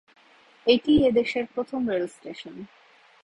এটিই এদেশের প্রথম রেল স্টেশন।